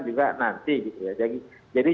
juga nanti jadi